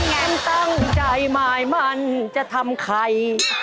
มีแง่งตั้งใจหมายมันจะทำใคร